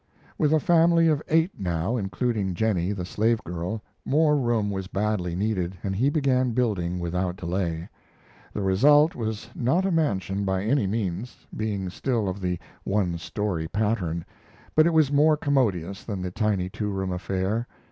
With a family of eight, now, including Jennie, the slavegirl, more room was badly needed, and he began building without delay. The result was not a mansion, by any means, being still of the one story pattern, but it was more commodious than the tiny two room affair.